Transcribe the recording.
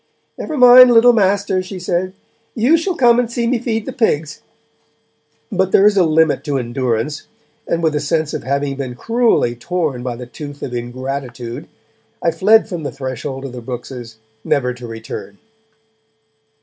'Never mind, little master,' she said, 'you shall come and see me feed the pigs.' But there is a limit to endurance, and with a sense of having been cruelly torn by the tooth of ingratitude, I fled from the threshold of the Brookses, never to return.